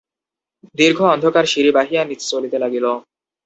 দীর্ঘ অন্ধকার সিঁড়ি বাহিয়া নিচে চলিতে লাগিল।